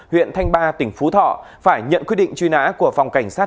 huyện thanh ba tỉnh phú thọ phải nhận quyết định truy nã của phòng cảnh sát